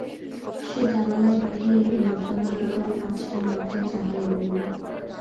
সে জানালার বাহিরে রৌদ্রালোকিত গাছটার মাথায় চাহিয়া রহিল।